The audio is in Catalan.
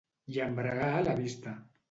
Llambregar la vista.